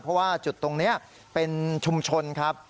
เพราะว่าจุดตรงนี้เป็นชุมชนครับ